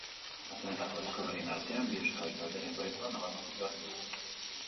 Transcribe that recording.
Aste honetako disko berrien artean bi euskal talderen proiektuak nabarmendu behar dugu.